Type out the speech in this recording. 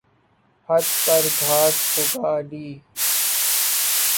ھت پر گھاس اگا لی